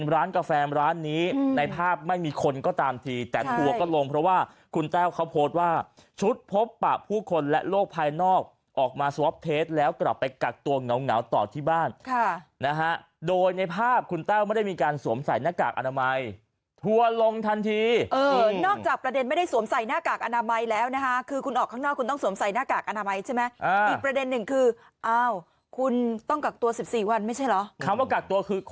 ร้านนี้ในภาพไม่มีคนก็ตามทีแต่หัวก็ลงเพราะว่าคุณแต้วเขาโพสต์ว่าชุดพบประผู้คนและโรคภายนอกออกมาสวอปเทสแล้วกลับไปกักตัวเหงาเหงาต่อที่บ้านค่ะนะฮะโดยในภาพคุณแต้วไม่ได้มีการสวมใส่หน้ากากอนามัยหัวลงทันทีเออนอกจากประเด็นไม่ได้สวมใส่หน้ากากอนามัยแล้วนะฮะคือคุณออกข้างนอกคุณต้องสว